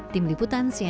tim liputan cnn indonesia